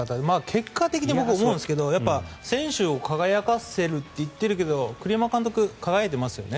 結果的に僕思うんですけど選手を輝かせるって言ってるけど栗山監督が輝いていますよね